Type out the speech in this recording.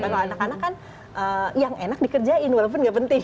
kalau anak anak kan yang enak dikerjain walaupun nggak penting